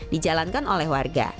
dijalankan oleh warga